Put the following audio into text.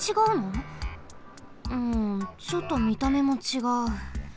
うんちょっとみためもちがう。